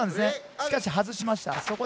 しかし、外しました。